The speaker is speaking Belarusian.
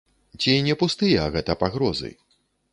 Ці не пустыя гэта пагрозы?